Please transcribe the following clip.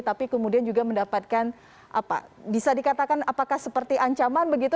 tapi kemudian juga mendapatkan apa bisa dikatakan apakah seperti ancaman begitu